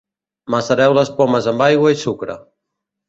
Macereu les pomes amb aigua i sucre.